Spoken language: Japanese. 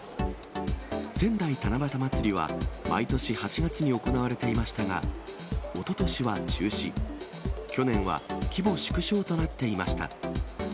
仙台七夕まつりは毎年８月に行われていましたが、おととしは中止、去年は規模縮小となっていました。